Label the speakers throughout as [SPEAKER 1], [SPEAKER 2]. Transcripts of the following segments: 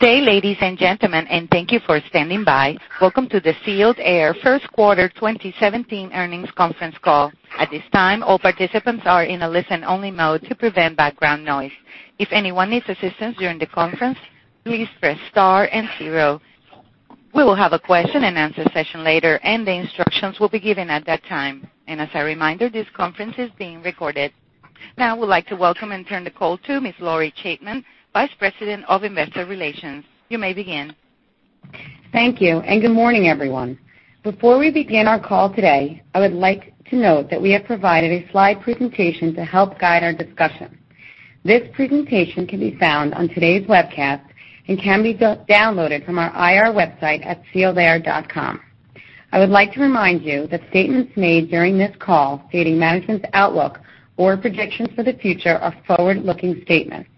[SPEAKER 1] Good day, ladies and gentlemen, and thank you for standing by. Welcome to the Sealed Air First Quarter 2017 Earnings Conference Call. At this time, all participants are in a listen-only mode to prevent background noise. If anyone needs assistance during the conference, please press star and zero. We will have a question-and-answer session later, and the instructions will be given at that time. As a reminder, this conference is being recorded. Now, I would like to welcome and turn the call to Ms. Lori Chaitman, Vice President of Investor Relations. You may begin.
[SPEAKER 2] Thank you. Good morning, everyone. Before we begin our call today, I would like to note that we have provided a slide presentation to help guide our discussion. This presentation can be found on today's webcast and can be downloaded from our IR website at sealedair.com. I would like to remind you that statements made during this call stating management's outlook or predictions for the future are forward-looking statements.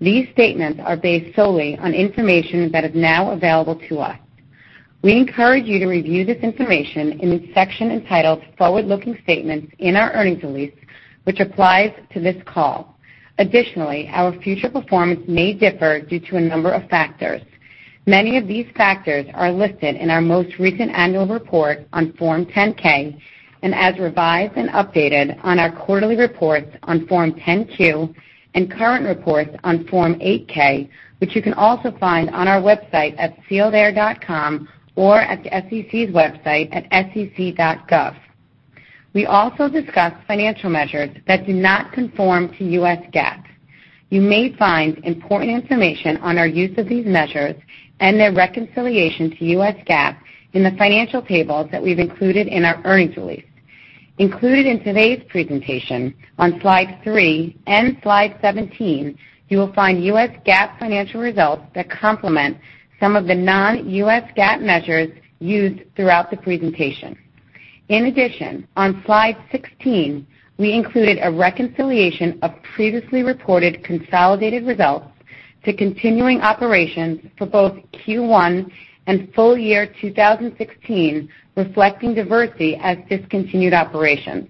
[SPEAKER 2] These statements are based solely on information that is now available to us. We encourage you to review this information in the section entitled Forward-Looking Statements in our earnings release, which applies to this call. Additionally, our future performance may differ due to a number of factors. Many of these factors are listed in our most recent annual report on Form 10-K, as revised and updated on our quarterly reports on Form 10-Q and current reports on Form 8-K, which you can also find on our website at sealedair.com or at the SEC's website at sec.gov. We also discuss financial measures that do not conform to U.S. GAAP. You may find important information on our use of these measures and their reconciliation to U.S. GAAP in the financial tables that we've included in our earnings release. Included in today's presentation on Slide 3 and Slide 17, you will find U.S. GAAP financial results that complement some of the non-U.S. GAAP measures used throughout the presentation. In addition, on Slide 16, we included a reconciliation of previously reported consolidated results to continuing operations for both Q1 and full year 2016, reflecting Diversey as discontinued operations.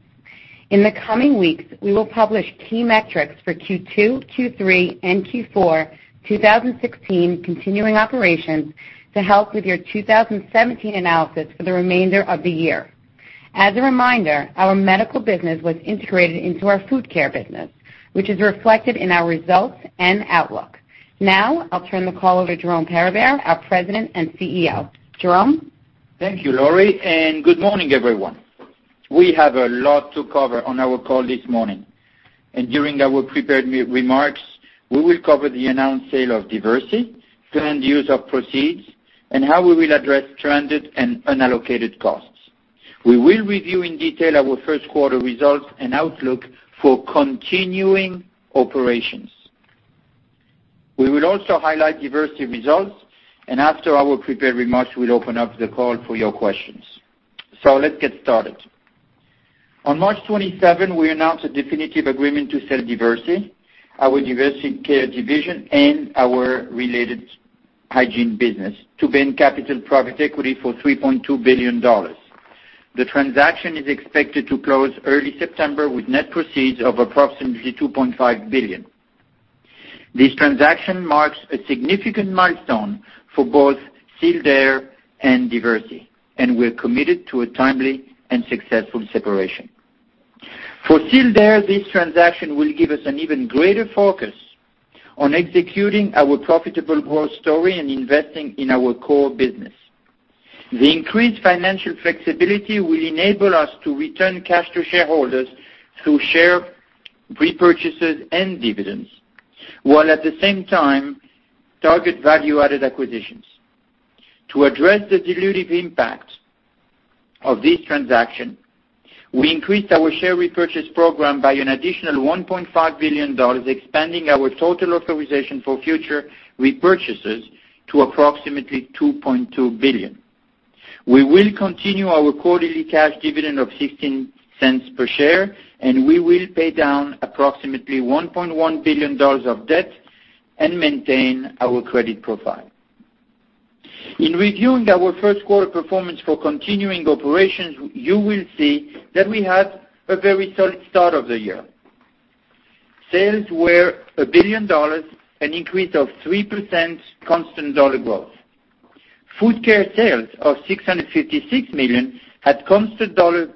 [SPEAKER 2] In the coming weeks, we will publish key metrics for Q2, Q3, and Q4 2016 continuing operations to help with your 2017 analysis for the remainder of the year. As a reminder, our medical business was integrated into our Food Care business, which is reflected in our results and outlook. Now, I'll turn the call over to Jerome Peribere, our President and CEO. Jerome?
[SPEAKER 3] Thank you, Lori, and good morning, everyone. We have a lot to cover on our call this morning. During our prepared remarks, we will cover the announced sale of Diversey, planned use of proceeds, and how we will address stranded and unallocated costs. We will review in detail our first quarter results and outlook for continuing operations. We will also highlight Diversey results, and after our prepared remarks, we will open up the call for your questions. Let's get started. On March 27, we announced a definitive agreement to sell Diversey, our Diversey Care division and our related hygiene business, to Bain Capital Private Equity for $3.2 billion. The transaction is expected to close early September with net proceeds of approximately $2.5 billion. This transaction marks a significant milestone for both Sealed Air and Diversey, and we are committed to a timely and successful separation. For Sealed Air, this transaction will give us an even greater focus on executing our profitable growth story and investing in our core business. The increased financial flexibility will enable us to return cash to shareholders through share repurchases and dividends, while at the same time target value-added acquisitions. To address the dilutive impact of this transaction, we increased our share repurchase program by an additional $1.5 billion, expanding our total authorization for future repurchases to approximately $2.2 billion. We will continue our quarterly cash dividend of $0.16 per share, we will pay down approximately $1.1 billion of debt and maintain our credit profile. In reviewing our first quarter performance for continuing operations, you will see that we had a very solid start of the year. Sales were $1 billion, an increase of 3% constant dollar growth. Food Care sales of $656 million had constant dollar growth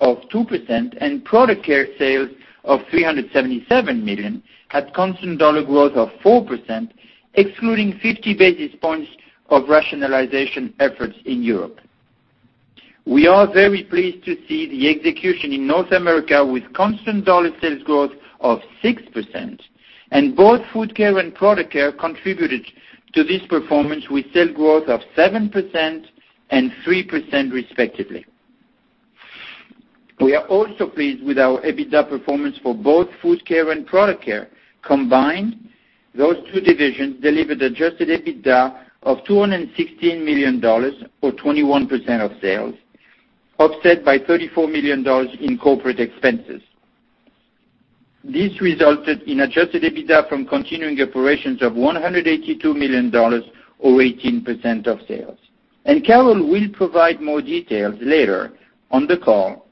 [SPEAKER 3] of 2%, Product Care sales of $377 million had constant dollar growth of 4%, excluding 50 basis points of rationalization efforts in Europe. We are very pleased to see the execution in North America with constant dollar sales growth of 6%. Both Food Care and Product Care contributed to this performance with sales growth of 7% and 3% respectively. We are also pleased with our EBITDA performance for both Food Care and Product Care. Combined, those two divisions delivered adjusted EBITDA of $216 million, or 21% of sales, offset by $34 million in corporate expenses. This resulted in adjusted EBITDA from continuing operations of $182 million, or 18% of sales. Carol will provide more details later on the call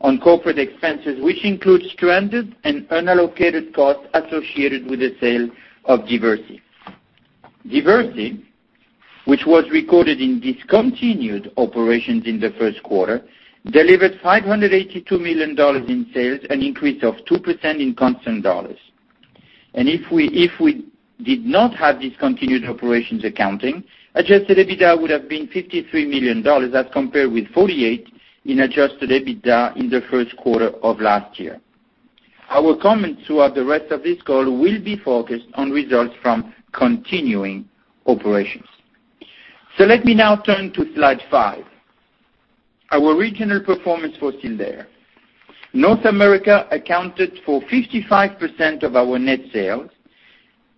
[SPEAKER 3] On corporate expenses, which include stranded and unallocated costs associated with the sale of Diversey. Diversey, which was recorded in discontinued operations in the first quarter, delivered $582 million in sales, an increase of 2% in constant dollars. If we did not have discontinued operations accounting, adjusted EBITDA would have been $53 million as compared with $48 in adjusted EBITDA in the first quarter of last year. Our comments throughout the rest of this call will be focused on results from continuing operations. Let me now turn to slide five, our regional performance for Sealed Air. North America accounted for 55% of our net sales,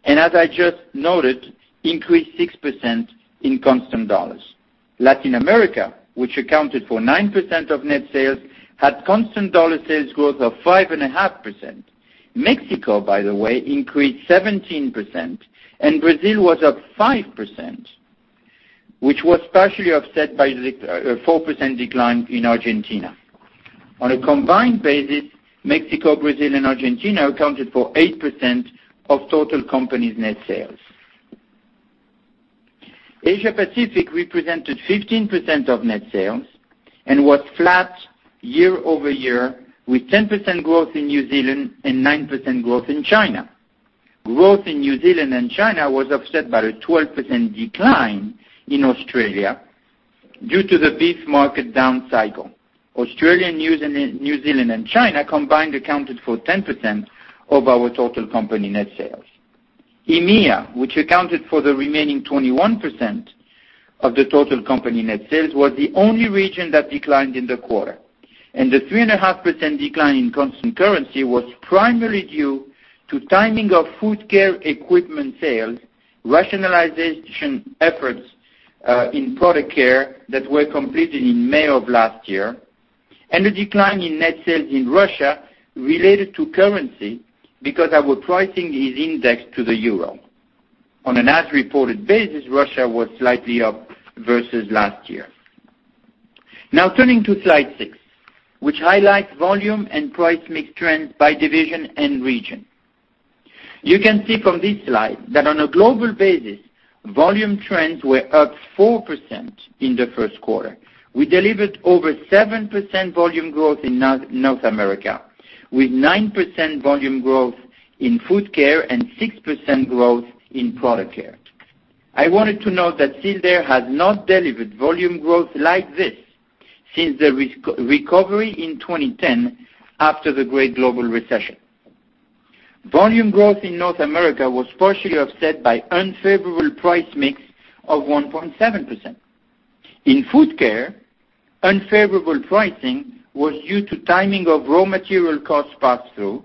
[SPEAKER 3] as I just noted, increased 6% in constant dollars. Latin America, which accounted for 9% of net sales, had constant dollar sales growth of 5.5%. Mexico, by the way, increased 17%, Brazil was up 5%, which was partially offset by a 4% decline in Argentina. On a combined basis, Mexico, Brazil, and Argentina accounted for 8% of total company net sales. Asia Pacific represented 15% of net sales and was flat year-over-year with 10% growth in New Zealand and 9% growth in China. Growth in New Zealand and China was offset by a 12% decline in Australia due to the beef market down cycle. Australia, New Zealand, and China combined accounted for 10% of our total company net sales. EMEA, which accounted for the remaining 21% of the total company net sales, was the only region that declined in the quarter. The 3.5% decline in constant currency was primarily due to timing of Food Care equipment sales, rationalization efforts in Product Care that were completed in May of last year, and a decline in net sales in Russia related to currency because our pricing is indexed to the euro. On an as-reported basis, Russia was slightly up versus last year. Now turning to slide six, which highlights volume and price mix trends by division and region. You can see from this slide that on a global basis, volume trends were up 4% in the first quarter. We delivered over 7% volume growth in North America, with 9% volume growth in Food Care and 6% growth in Product Care. I wanted to note that Sealed Air has not delivered volume growth like this since the recovery in 2010 after the great global recession. Volume growth in North America was partially offset by unfavorable price mix of 1.7%. In Food Care, unfavorable pricing was due to timing of raw material cost pass-through,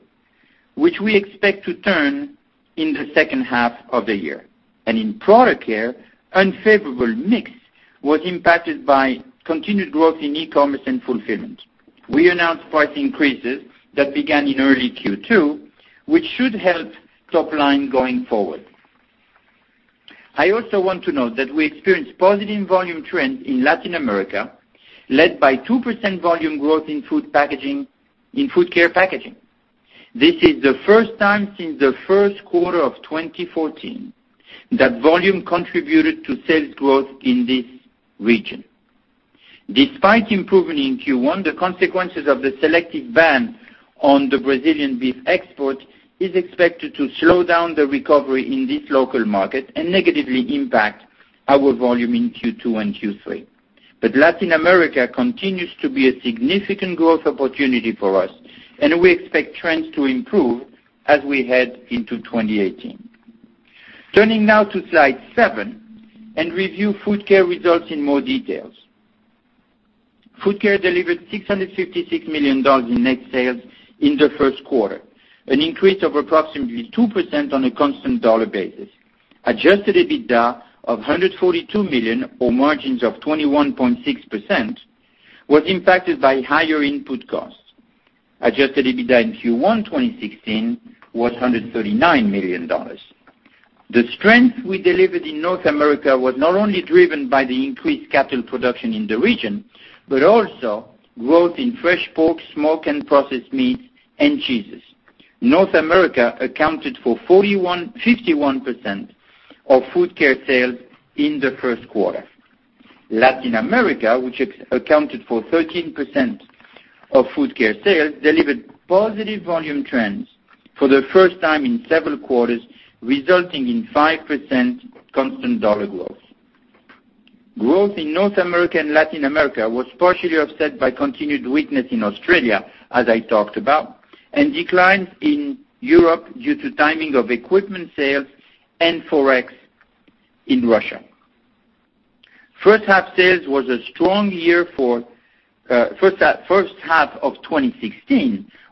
[SPEAKER 3] which we expect to turn in the second half of the year. In Product Care, unfavorable mix was impacted by continued growth in e-commerce and fulfillment. We announced price increases that began in early Q2, which should help top line going forward. I also want to note that we experienced positive volume trends in Latin America, led by 2% volume growth in Food Care packaging. This is the first time since the first quarter of 2014 that volume contributed to sales growth in this region. Despite improving in Q1, the consequences of the selective ban on the Brazilian beef export is expected to slow down the recovery in this local market and negatively impact our volume in Q2 and Q3. Latin America continues to be a significant growth opportunity for us, and we expect trends to improve as we head into 2018. Turning now to slide seven and review Food Care results in more details. Food Care delivered $656 million in net sales in the first quarter, an increase of approximately 2% on a constant dollar basis. Adjusted EBITDA of $142 million, or margins of 21.6%, was impacted by higher input costs. Adjusted EBITDA in Q1 2016 was $139 million. The strength we delivered in North America was not only driven by the increased capital production in the region, but also growth in fresh pork, smoked and processed meats, and cheeses. North America accounted for 51% of Food Care sales in the first quarter. Latin America, which accounted for 13% of Food Care sales, delivered positive volume trends for the first time in several quarters, resulting in 5% constant dollar growth. Growth in North America and Latin America was partially offset by continued weakness in Australia, as I talked about, and declines in Europe due to timing of equipment sales and Forex in Russia. First half of 2016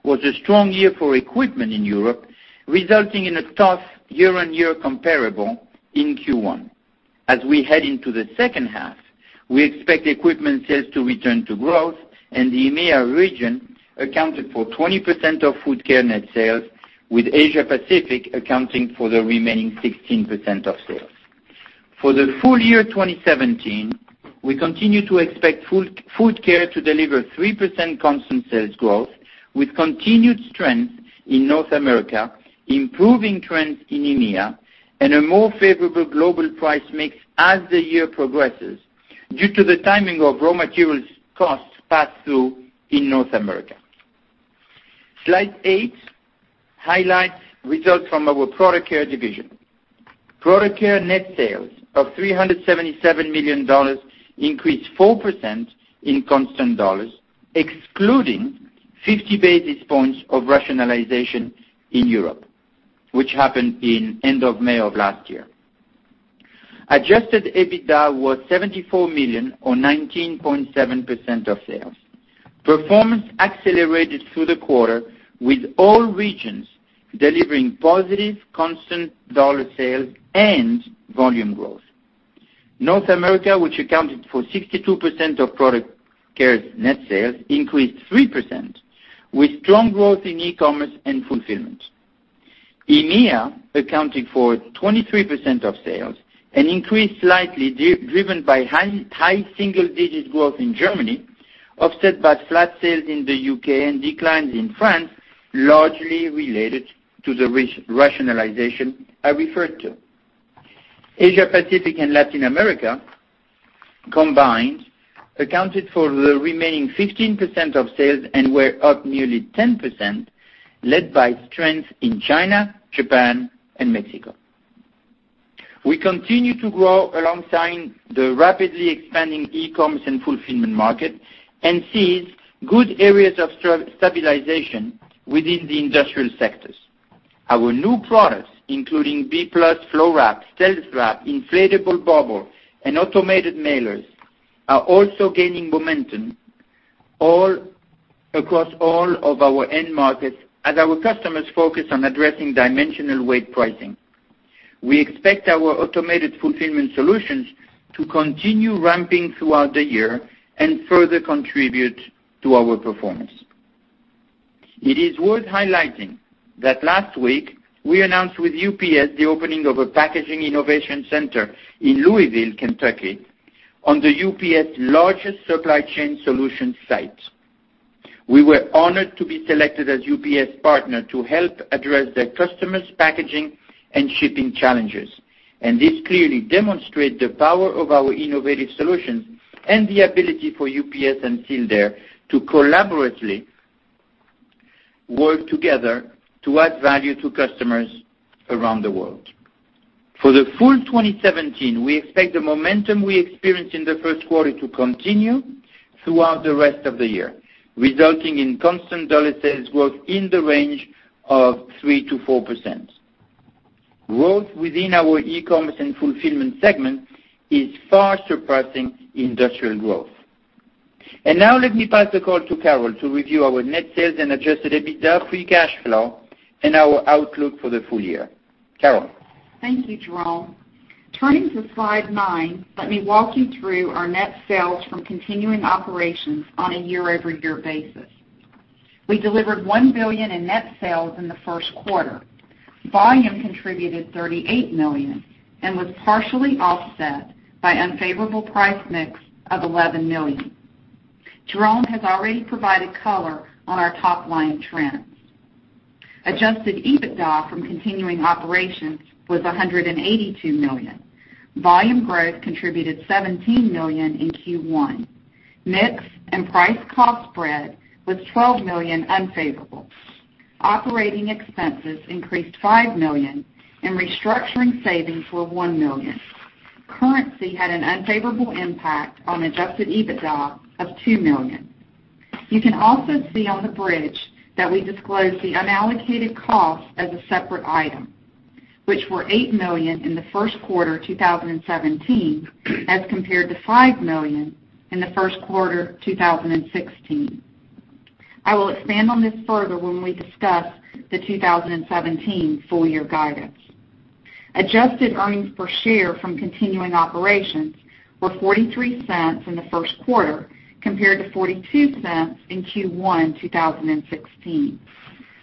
[SPEAKER 3] was a strong year for equipment in Europe, resulting in a tough year-on-year comparable in Q1. As we head into the second half, we expect equipment sales to return to growth. The EMEA region accounted for 20% of Food Care net sales, with Asia Pacific accounting for the remaining 16% of sales. For the full year 2017, we continue to expect Food Care to deliver 3% constant sales growth, with continued strength in North America, improving trends in EMEA, and a more favorable global price mix as the year progresses due to the timing of raw materials costs pass-through in North America. Slide eight highlights results from our Product Care division. Product Care net sales of $377 million increased 4% in constant dollars, excluding 50 basis points of rationalization in Europe, which happened in end of May of last year. Adjusted EBITDA was $74 million or 19.7% of sales. Performance accelerated through the quarter, with all regions delivering positive constant dollar sales and volume growth. North America, which accounted for 62% of Product Care's net sales, increased 3%, with strong growth in e-commerce and fulfillment. EMEA accounted for 23% of sales and increased slightly, driven by high single-digit growth in Germany, offset by flat sales in the U.K. and declines in France, largely related to the rationalization I referred to. Asia-Pacific and Latin America combined accounted for the remaining 15% of sales and were up nearly 10%, led by strength in China, Japan, and Mexico. We continue to grow alongside the rapidly expanding e-commerce and fulfillment market and sees good areas of stabilization within the industrial sectors. Our new products, including B+ Flow Wrap, StealthWrap, Inflatable Bubble, and Automated Mailers, are also gaining momentum across all of our end markets as our customers focus on addressing dimensional weight pricing. We expect our automated fulfillment solutions to continue ramping throughout the year and further contribute to our performance. It is worth highlighting that last week we announced with UPS the opening of a packaging innovation center in Louisville, Kentucky, on the UPS largest supply chain solution site. We were honored to be selected as UPS partner to help address their customers' packaging and shipping challenges. This clearly demonstrate the power of our innovative solutions and the ability for UPS and Sealed Air to collaboratively work together to add value to customers around the world. For the full 2017, we expect the momentum we experienced in the first quarter to continue throughout the rest of the year, resulting in constant dollar sales growth in the range of 3%-4%. Growth within our e-commerce and fulfillment segment is far surpassing industrial growth. Now let me pass the call to Carol to review our net sales and adjusted EBITDA, free cash flow, and our outlook for the full year. Carol?
[SPEAKER 4] Thank you, Jerome. Turning to slide nine, let me walk you through our net sales from continuing operations on a year-over-year basis. We delivered $1 billion in net sales in the first quarter. Volume contributed $38 million and was partially offset by unfavorable price mix of $11 million. Jerome has already provided color on our top-line trends. Adjusted EBITDA from continuing operations was $182 million. Volume growth contributed $17 million in Q1. Mix and price cost spread was $12 million unfavorable. Operating expenses increased $5 million and restructuring savings were $1 million. Currency had an unfavorable impact on adjusted EBITDA of $2 million. You can also see on the bridge that we disclose the unallocated costs as a separate item, which were $8 million in the first quarter 2017 as compared to $5 million in the first quarter 2016. I will expand on this further when we discuss the 2017 full-year guidance. Adjusted earnings per share from continuing operations were $0.43 in the first quarter compared to $0.42 in Q1 2016.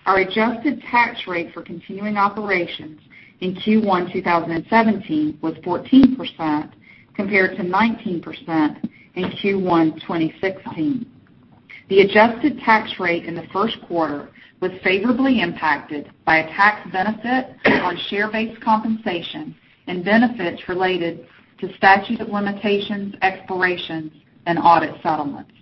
[SPEAKER 4] Our adjusted tax rate for continuing operations in Q1 2017 was 14% compared to 19% in Q1 2016. The adjusted tax rate in the first quarter was favorably impacted by a tax benefit on share-based compensation and benefits related to statute of limitations, expirations, and audit settlements.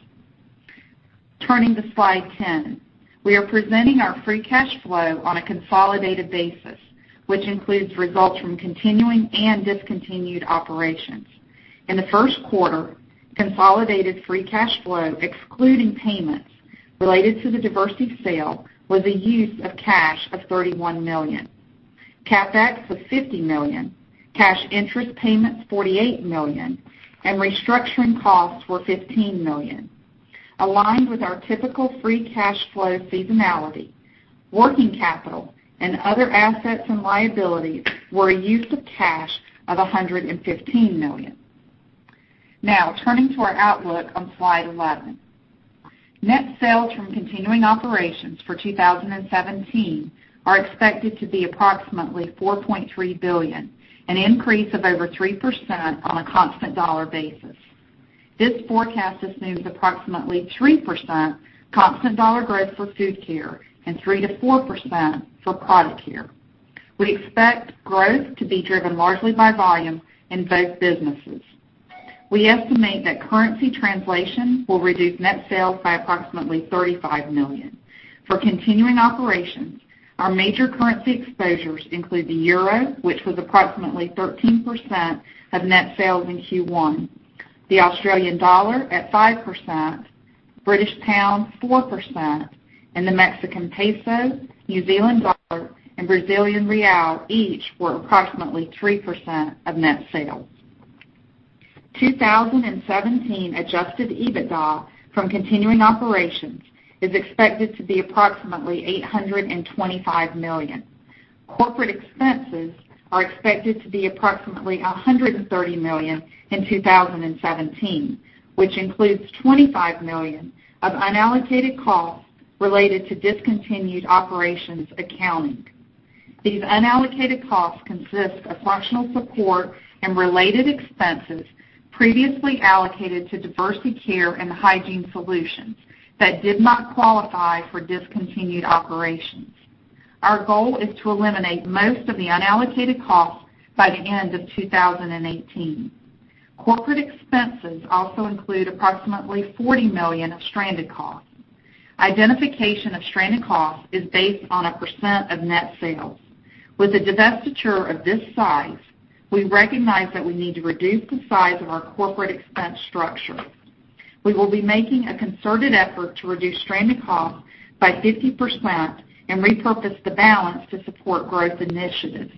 [SPEAKER 4] Turning to slide 10. We are presenting our free cash flow on a consolidated basis, which includes results from continuing and discontinued operations. In the first quarter, consolidated free cash flow, excluding payments related to the Diversey sale, was a use of cash of $31 million. CapEx was $50 million, cash interest payments $48 million, and restructuring costs were $15 million. Aligned with our typical free cash flow seasonality, working capital and other assets and liabilities were a use of cash of $115 million. Turning to our outlook on slide 11. Net sales from continuing operations for 2017 are expected to be approximately $4.3 billion, an increase of over 3% on a constant dollar basis. This forecast assumes approximately 3% constant dollar growth for Food Care and 3%-4% for Product Care. We expect growth to be driven largely by volume in both businesses. We estimate that currency translation will reduce net sales by approximately $35 million. For continuing operations, our major currency exposures include the euro, which was approximately 13% of net sales in Q1, the Australian dollar at 5%, British pound 4%, and the Mexican peso, New Zealand dollar, and Brazilian real each were approximately 3% of net sales. 2017 adjusted EBITDA from continuing operations is expected to be approximately $825 million. Corporate expenses are expected to be approximately $130 million in 2017, which includes $25 million of unallocated costs related to discontinued operations accounting. These unallocated costs consist of functional support and related expenses previously allocated to Diversey Care and Hygiene Solutions that did not qualify for discontinued operations. Our goal is to eliminate most of the unallocated costs by the end of 2018. Corporate expenses also include approximately $40 million of stranded costs. Identification of stranded costs is based on a % of net sales. With a divestiture of this size, we recognize that we need to reduce the size of our corporate expense structure. We will be making a concerted effort to reduce stranded costs by 50% and repurpose the balance to support growth initiatives.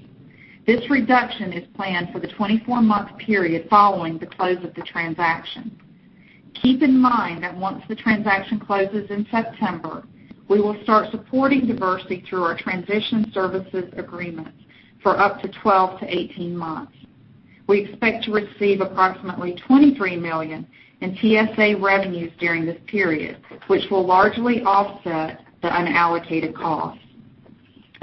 [SPEAKER 4] This reduction is planned for the 24-month period following the close of the transaction. Keep in mind that once the transaction closes in September, we will start supporting Diversey through our transition services agreements for up to 12 to 18 months. We expect to receive approximately $23 million in TSA revenues during this period, which will largely offset the unallocated costs.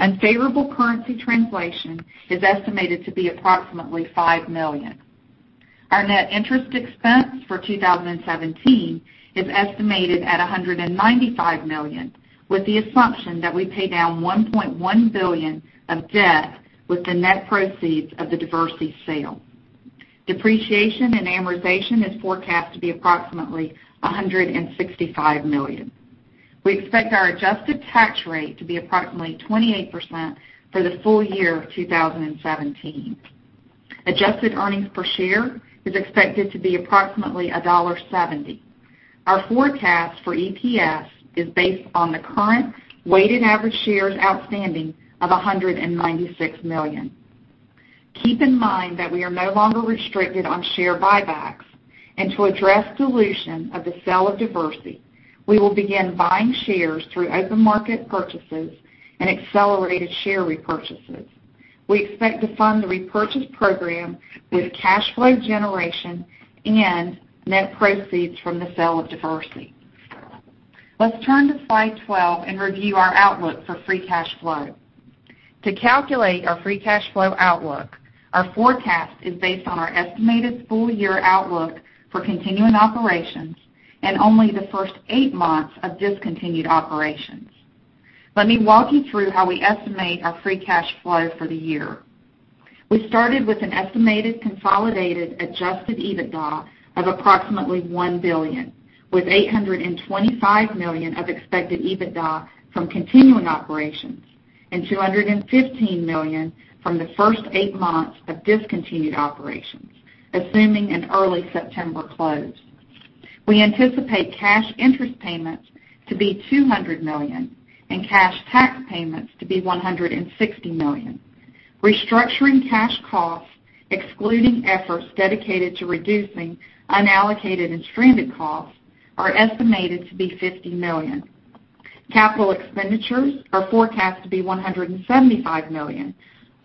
[SPEAKER 4] Unfavorable currency translation is estimated to be approximately $5 million. Our net interest expense for 2017 is estimated at $195 million, with the assumption that we pay down $1.1 billion of debt with the net proceeds of the Diversey sale. Depreciation and amortization is forecast to be approximately $165 million. We expect our adjusted tax rate to be approximately 28% for the full year of 2017. Adjusted earnings per share is expected to be approximately $1.70. Our forecast for EPS is based on the current weighted average shares outstanding of 196 million. Keep in mind that we are no longer restricted on share buybacks. To address dilution of the sale of Diversey, we will begin buying shares through open market purchases and accelerated share repurchases. We expect to fund the repurchase program with cash flow generation and net proceeds from the sale of Diversey. Let's turn to slide 12 and review our outlook for free cash flow. To calculate our free cash flow outlook, our forecast is based on our estimated full-year outlook for continuing operations and only the first eight months of discontinued operations. Let me walk you through how we estimate our free cash flow for the year. We started with an estimated consolidated adjusted EBITDA of approximately $1 billion, with $825 million of expected EBITDA from continuing operations and $215 million from the first eight months of discontinued operations, assuming an early September close. We anticipate cash interest payments to be $200 million and cash tax payments to be $160 million. Restructuring cash costs, excluding efforts dedicated to reducing unallocated and stranded costs, are estimated to be $50 million. Capital expenditures are forecast to be $175 million,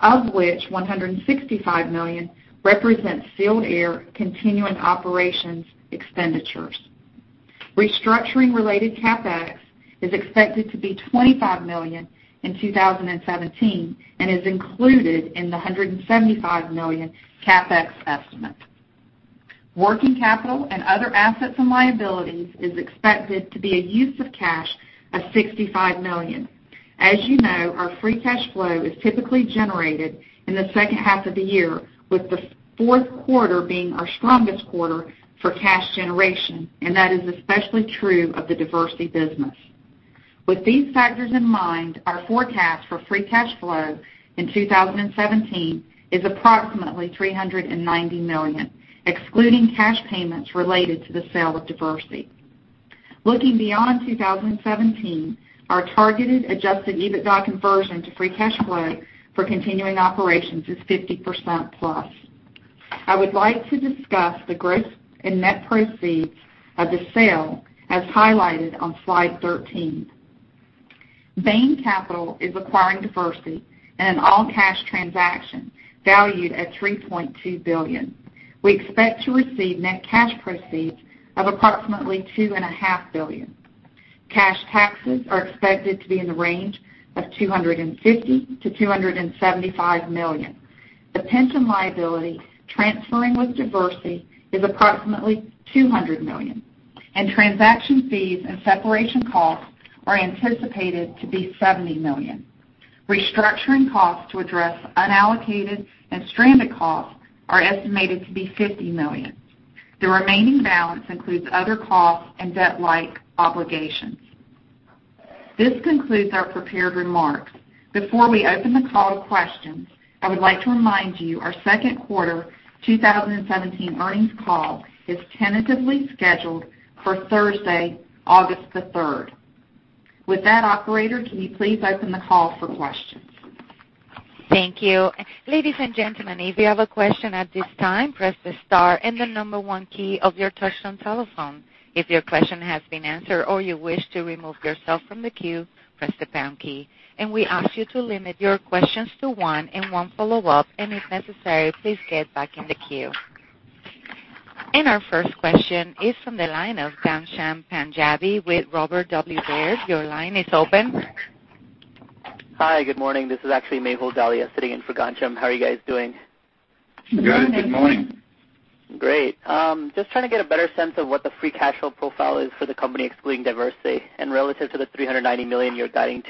[SPEAKER 4] of which $165 million represents Sealed Air continuing operations expenditures. Restructuring-related CapEx is expected to be $25 million in 2017 and is included in the $175 million CapEx estimate. Working capital and other assets and liabilities is expected to be a use of cash of $65 million. As you know, our free cash flow is typically generated in the second half of the year, with the fourth quarter being our strongest quarter for cash generation, and that is especially true of the Diversey business. With these factors in mind, our forecast for free cash flow in 2017 is approximately $390 million, excluding cash payments related to the sale of Diversey. Looking beyond 2017, our targeted adjusted EBITDA conversion to free cash flow for continuing operations is 50%-plus. I would like to discuss the gross and net proceeds of the sale, as highlighted on slide 13. Bain Capital is acquiring Diversey in an all-cash transaction valued at $3.2 billion. We expect to receive net cash proceeds of approximately $2.5 billion. Cash taxes are expected to be in the range of $250 to $275 million. The pension liability transferring with Diversey is approximately $200 million, and transaction fees and separation costs are anticipated to be $70 million. Restructuring costs to address unallocated and stranded costs are estimated to be $50 million. The remaining balance includes other costs and debt-like obligations. This concludes our prepared remarks. Before we open the call to questions, I would like to remind you our second quarter 2017 earnings call is tentatively scheduled for Thursday, August the 3rd. With that, operator, can you please open the call for questions?
[SPEAKER 1] Thank you. Ladies and gentlemen, if you have a question at this time, press the star and the number one key of your touch-tone telephone. If your question has been answered or you wish to remove yourself from the queue, press the pound key. We ask you to limit your questions to one and one follow-up, and if necessary, please get back in the queue. Our first question is from the line of Ghansham Panjabi with Robert W. Baird. Your line is open.
[SPEAKER 5] Hi, good morning. This is actually Mehul Dalal sitting in for Ghansham. How are you guys doing?
[SPEAKER 4] Good morning.
[SPEAKER 1] Good morning.
[SPEAKER 5] Great. Just trying to get a better sense of what the free cash flow profile is for the company excluding Diversey and relative to the $390 million you're guiding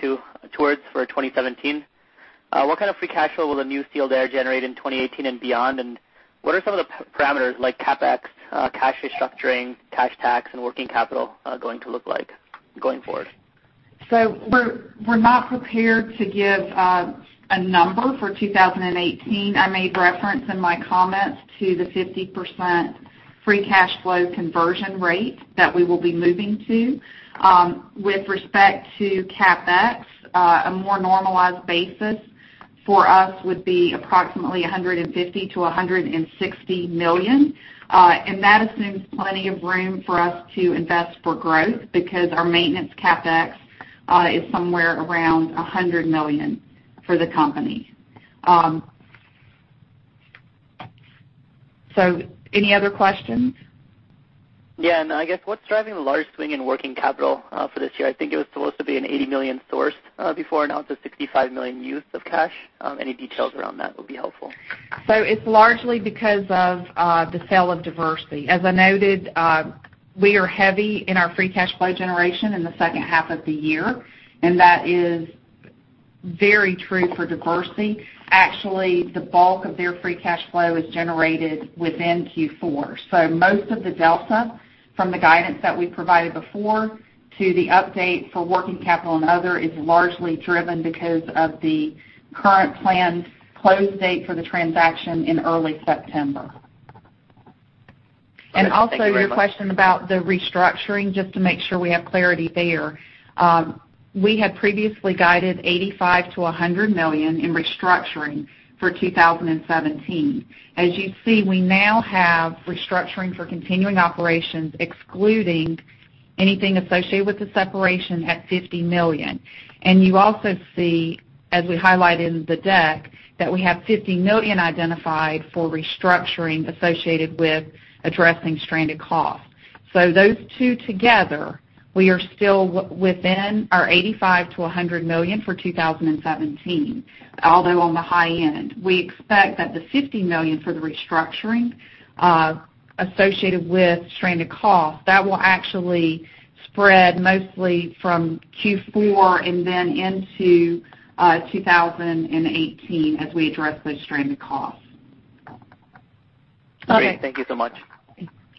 [SPEAKER 5] towards for 2017. What kind of free cash flow will New Sealed Air generate in 2018 and beyond, and what are some of the parameters like CapEx, cash restructuring, cash tax, and working capital going to look like going forward?
[SPEAKER 4] We're not prepared to give a number for 2018. I made reference in my comments to the 50% free cash flow conversion rate that we will be moving to. With respect to CapEx, a more normalized basis for us would be approximately $150 million-$160 million. That assumes plenty of room for us to invest for growth because our maintenance CapEx, is somewhere around $100 million for the company. Any other questions?
[SPEAKER 5] Yeah, I guess what's driving the large swing in working capital, for this year? I think it was supposed to be an $80 million source, before announced a $65 million use of cash. Any details around that would be helpful.
[SPEAKER 4] It's largely because of the sale of Diversey. As I noted, we are heavy in our free cash flow generation in the second half of the year, and that is very true for Diversey. Actually, the bulk of their free cash flow is generated within Q4. Most of the delta from the guidance that we provided before to the update for working capital and other is largely driven because of the current planned close date for the transaction in early September.
[SPEAKER 5] Thank you very much.
[SPEAKER 4] Also your question about the restructuring, just to make sure we have clarity there. We had previously guided $85 million-$100 million in restructuring for 2017. As you see, we now have restructuring for continuing operations, excluding anything associated with the separation at $50 million. You also see, as we highlight in the deck, that we have $50 million identified for restructuring associated with addressing stranded costs. Those two together, we are still within our $85 million-$100 million for 2017, although on the high end. We expect that the $50 million for the restructuring, associated with stranded costs, that will actually spread mostly from Q4 and then into 2018 as we address those stranded costs.
[SPEAKER 5] Great. Thank you so much.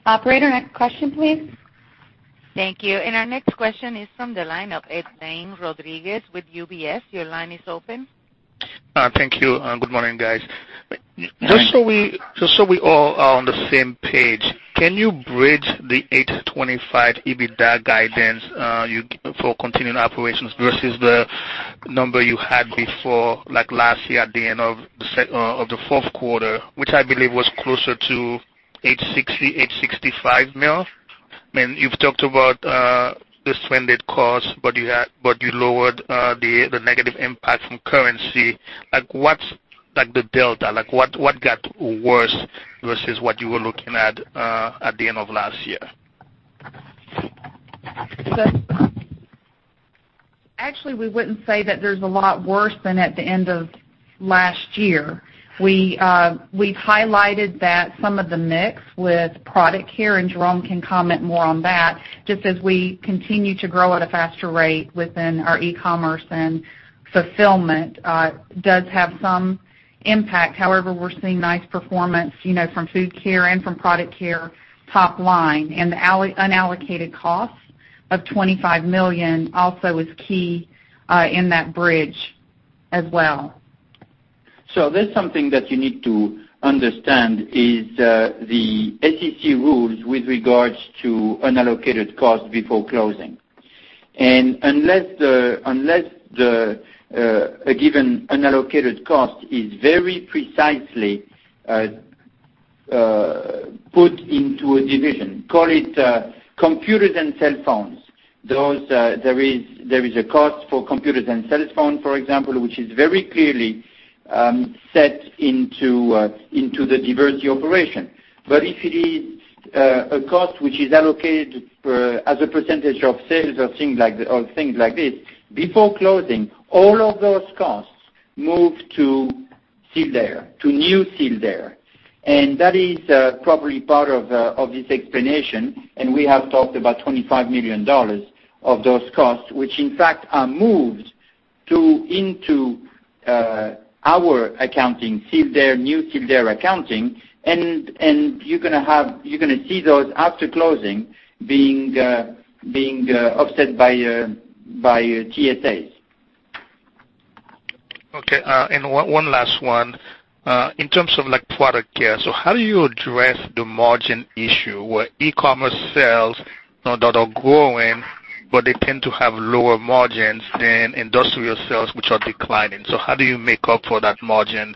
[SPEAKER 4] Operator, next question, please.
[SPEAKER 1] Thank you. Our next question is from the line of Edlain Rodriguez with UBS. Your line is open.
[SPEAKER 6] Thank you. Good morning, guys.
[SPEAKER 4] Morning.
[SPEAKER 6] Just so we all are on the same page, can you bridge the $825 EBITDA guidance for continuing operations versus the number you had before, like last year at the end of the fourth quarter, which I believe was closer to $860 million-$865 million? I mean, you've talked about the stranded costs, you lowered the negative impact from currency. Like what's the delta? What got worse versus what you were looking at the end of last year?
[SPEAKER 4] Actually, we wouldn't say that there's a lot worse than at the end of last year. We've highlighted that some of the mix with Product Care, and Jerome can comment more on that, just as we continue to grow at a faster rate within our e-commerce and fulfillment, does have some impact. However, we're seeing nice performance from Food Care and from Product Care top line, and the unallocated cost of $25 million also is key in that bridge as well.
[SPEAKER 3] That's something that you need to understand is the SEC rules with regards to unallocated costs before closing. Unless a given unallocated cost is very precisely put into a division, call it computers and cell phones. There is a cost for computers and cell phones, for example, which is very clearly set into the Diversey operation. If it is a cost which is allocated as a percentage of sales or things like this, before closing, all of those costs move to Sealed Air, to New Sealed Air. That is probably part of this explanation, and we have talked about $25 million of those costs, which in fact are moved into our accounting, Sealed Air, New Sealed Air accounting. You're going to see those after closing, being offset by TSAs.
[SPEAKER 6] Okay. One last one. In terms of Product Care, how do you address the margin issue where e-commerce sales that are growing, but they tend to have lower margins than industrial sales, which are declining? How do you make up for that margin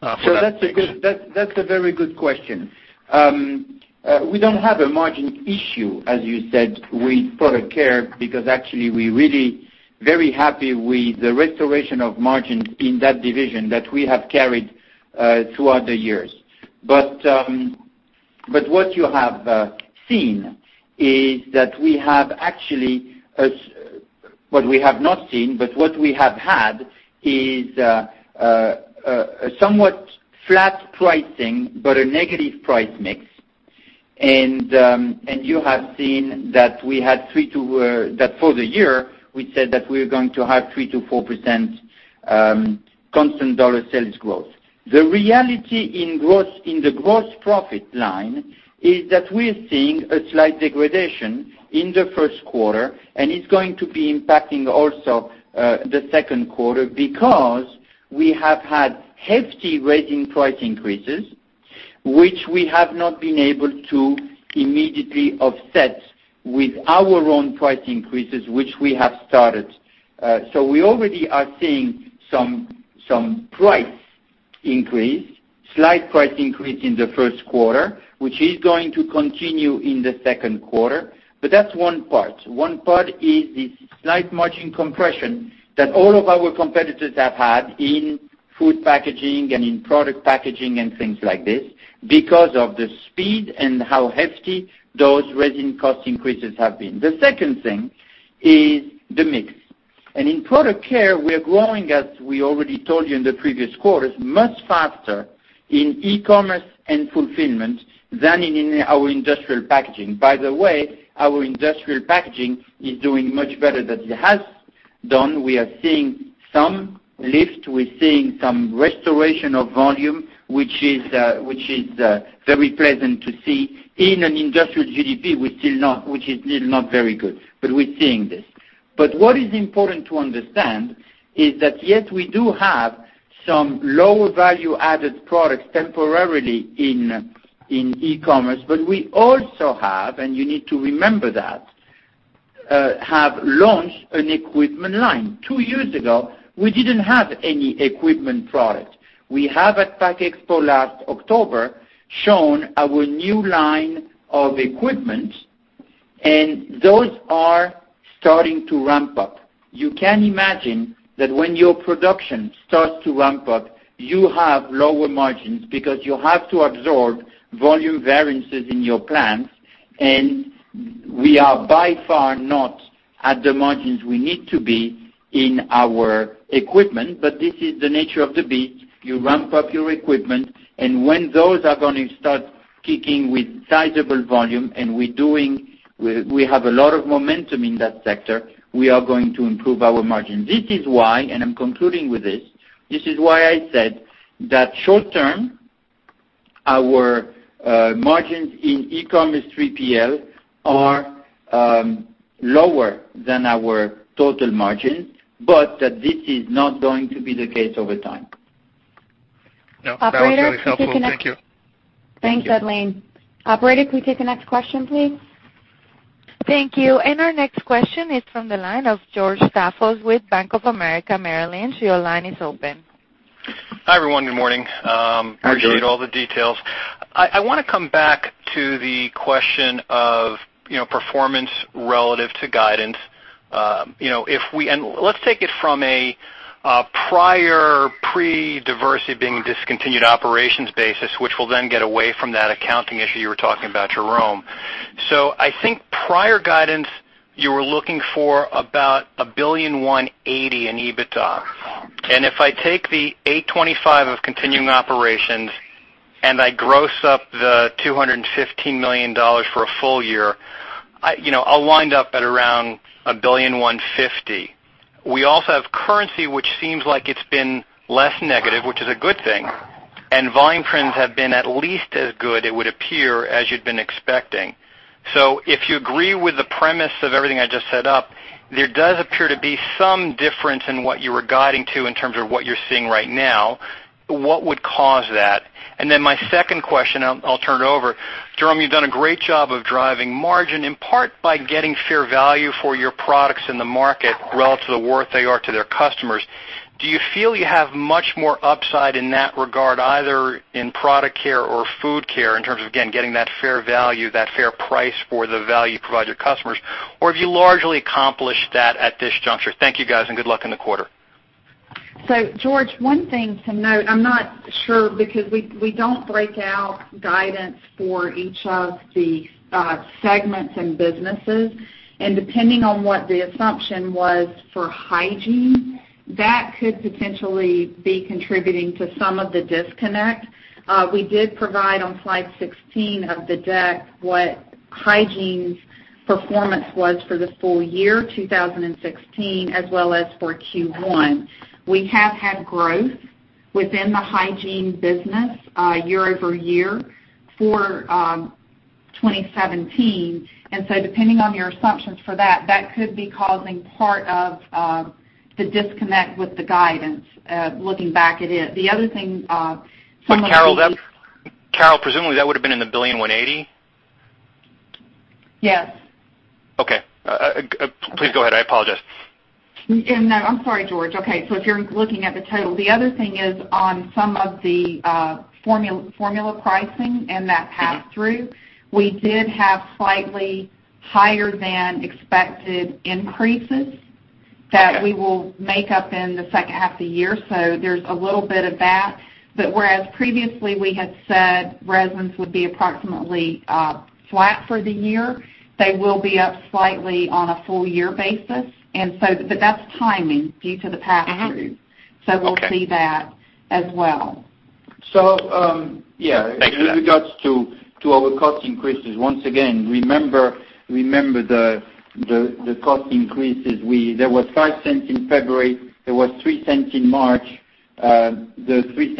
[SPEAKER 6] for that-
[SPEAKER 3] That's a very good question. We don't have a margin issue, as you said, with Product Care, because actually we're really very happy with the restoration of margins in that division that we have carried throughout the years. What you have seen is that we have actually had, is a somewhat flat pricing, but a negative price mix. You have seen that for the year, we said that we're going to have 3%-4% constant dollar sales growth. The reality in the gross profit line is that we're seeing a slight degradation in the first quarter, and it's going to be impacting also the second quarter, because we have had hefty resin price increases, which we have not been able to immediately offset with our own price increases, which we have started. We already are seeing some price increase, slight price increase in the first quarter, which is going to continue in the second quarter. That's one part. One part is the slight margin compression that all of our competitors have had in food packaging and in product packaging and things like this because of the speed and how hefty those resin cost increases have been. The second thing is the mix. In Product Care, we're growing, as we already told you in the previous quarters, much faster in e-commerce and fulfillment than in our industrial packaging. By the way, our industrial packaging is doing much better than it has done. We are seeing some lift. We're seeing some restoration of volume, which is very pleasant to see in an industrial GDP, which is still not very good. We're seeing this. What is important to understand is that, yes, we do have some lower value-added products temporarily in e-commerce, but we also have, and you need to remember that, have launched an equipment line. Two years ago, we didn't have any equipment product. We have, at PACK EXPO last October, shown our new line of equipment. Those are starting to ramp up. You can imagine that when your production starts to ramp up, you have lower margins because you have to absorb volume variances in your plants. We are by far not at the margins we need to be in our equipment. This is the nature of the beast. You ramp up your equipment, and when those are going to start kicking with sizable volume, and we have a lot of momentum in that sector, we are going to improve our margin. This is why, and I'm concluding with this is why I said that short term, our margins in e-commerce 3PL are lower than our total margin, that this is not going to be the case over time.
[SPEAKER 6] No, that was very helpful. Thank you.
[SPEAKER 2] Operator, can we take the next-?
[SPEAKER 3] Thank you.
[SPEAKER 2] Thanks, Edlain. Operator, can we take the next question, please?
[SPEAKER 1] Thank you. Our next question is from the line of George Staphos with Bank of America Merrill Lynch. Your line is open.
[SPEAKER 7] Hi, everyone. Good morning.
[SPEAKER 3] Hi, George.
[SPEAKER 7] Appreciate all the details. I want to come back to the question of performance relative to guidance. Let's take it from a prior pre-Diversey being discontinued operations basis, which will then get away from that accounting issue you were talking about, Jerome. I think prior guidance, you were looking for about $1.18 billion in EBITDA. If I take the $825 million of continuing operations and I gross up the $215 million for a full year, I'll wind up at around $1.15 billion. We also have currency, which seems like it's been less negative, which is a good thing. Volume trends have been at least as good, it would appear, as you'd been expecting. If you agree with the premise of everything I just set up, there does appear to be some difference in what you were guiding to in terms of what you're seeing right now. What would cause that? My second question, I'll turn it over. Jerome, you've done a great job of driving margin, in part by getting fair value for your products in the market relative to worth they are to their customers. Do you feel you have much more upside in that regard, either in Product Care or Food Care, in terms of, again, getting that fair value, that fair price for the value you provide your customers? Or have you largely accomplished that at this juncture? Thank you, guys, and good luck in the quarter.
[SPEAKER 4] George, one thing to note, I'm not sure because we don't break out guidance for each of the segments and businesses, and depending on what the assumption was for Hygiene, that could potentially be contributing to some of the disconnect. We did provide on slide 16 of the deck what Hygiene's performance was for the full year 2016, as well as for Q1. We have had growth within the Hygiene business year-over-year for 2017. Depending on your assumptions for that could be causing part of the disconnect with the guidance, looking back at it.
[SPEAKER 7] Carol, presumably, that would've been in the $1.18 billion?
[SPEAKER 4] Yes.
[SPEAKER 7] Okay. Please go ahead. I apologize.
[SPEAKER 4] No, I'm sorry, George. Okay, if you're looking at the total, the other thing is on some of the formula pricing and that pass-through.
[SPEAKER 7] Okay
[SPEAKER 4] that we will make up in the second half of the year. There's a little bit of that. Whereas previously we had said resins would be approximately flat for the year, they will be up slightly on a full year basis. That's timing due to the pass-through.
[SPEAKER 7] Mm-hmm. Okay.
[SPEAKER 4] We'll see that as well.
[SPEAKER 3] Yeah.
[SPEAKER 7] Thanks.
[SPEAKER 3] In regards to our cost increases, once again, remember the cost increases. There was $0.05 in February, there was $0.03 in March. The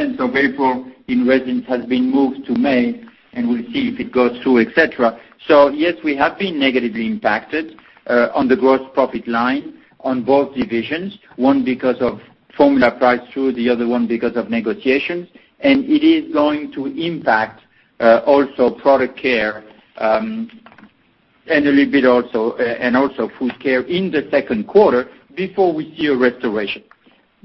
[SPEAKER 3] $0.03 of April in resins has been moved to May, and we'll see if it goes through, et cetera. Yes, we have been negatively impacted on the gross profit line on both divisions, one because of formula price through, the other one because of negotiations. It is going to impact also Product Care and also Food Care in the second quarter before we see a restoration.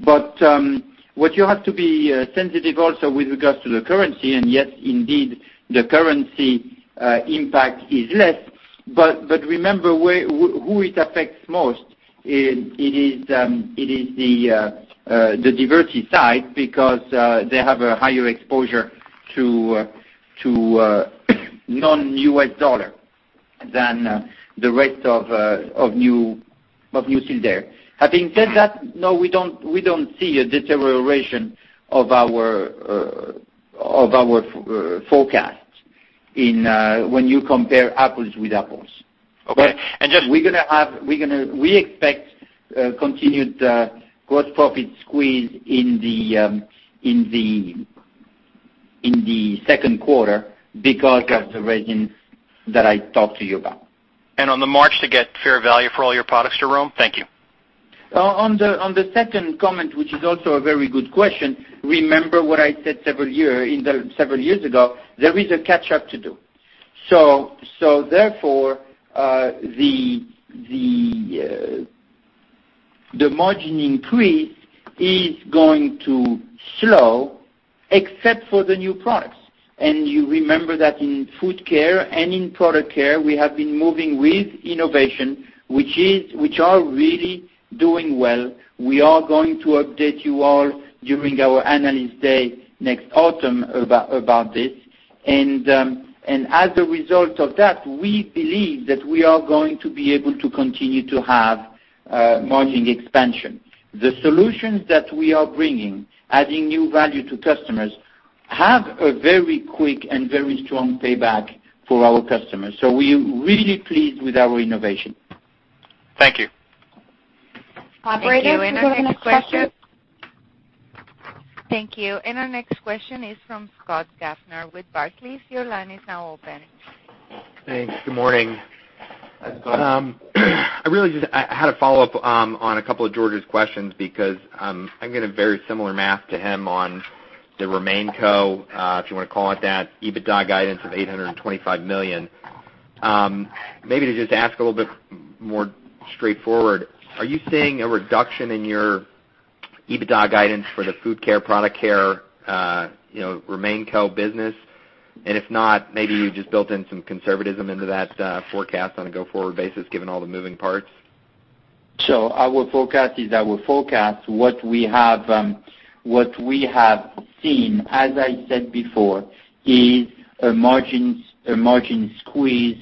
[SPEAKER 3] What you have to be sensitive also with regards to the currency, and yes, indeed, the currency impact is less. Remember who it affects most. It is the Diversey side because they have a higher exposure to non-U.S. dollar than the rest of New Sealed Air. Having said that, no, we don't see a deterioration of our forecast when you compare apples with apples.
[SPEAKER 7] Okay.
[SPEAKER 3] We expect continued gross profit squeeze in the second quarter because of the resins that I talked to you about.
[SPEAKER 7] On the march to get fair value for all your products, Jerome? Thank you.
[SPEAKER 3] On the second comment, which is also a very good question, remember what I said several years ago, there is a catch-up to do. Therefore, the margin increase is going to slow except for the new products. You remember that in Food Care and in Product Care, we have been moving with innovation, which are really doing well. We are going to update you all during our analyst day next autumn about this. As a result of that, we believe that we are going to be able to continue to have margin expansion. The solutions that we are bringing, adding new value to customers, have a very quick and very strong payback for our customers. We are really pleased with our innovation.
[SPEAKER 7] Thank you.
[SPEAKER 4] Operator, can we go to the next question?
[SPEAKER 1] Thank you. Our next question is from Scott Gaffner with Barclays. Your line is now open.
[SPEAKER 8] Thanks. Good morning.
[SPEAKER 3] Hi, Scott.
[SPEAKER 8] I had a follow-up on a couple of George's questions because, I'm getting very similar math to him on the RemainCo, if you want to call it that, EBITDA guidance of $825 million. Maybe to just ask a little bit more straightforward, are you seeing a reduction in your EBITDA guidance for the Food Care, Product Care, RemainCo business? If not, maybe you just built in some conservatism into that forecast on a go-forward basis, given all the moving parts.
[SPEAKER 3] Our forecast is our forecast. What we have seen, as I said before, is a margin squeeze